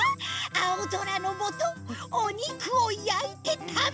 あおぞらのもとおにくをやいてたべる！